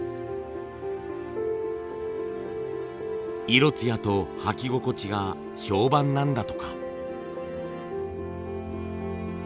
色艶と履き心地が評判なんだとか。